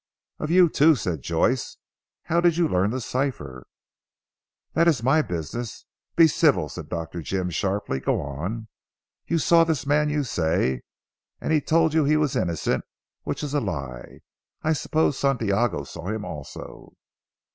"Of you too," said Joyce, "how did you learn the cipher?" "That is my business. Be civil," said Dr. Jim sharply, "go on. You saw this man you say, and he told you he was innocent, which is a lie. I suppose Santiago saw him also?"